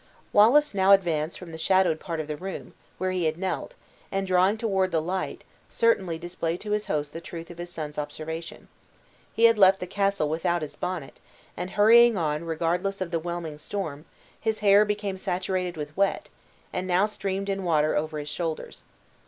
Wallace now advanced from the shadowed part of the room, where he had knelt, and drawing toward the light, certainly displayed to his host the truth of his son's observation. He had left the castle without his bonnet, and hurrying on regardless of the whelming storm, his hair became saturated with wet, and now streamed in water over his shoulders.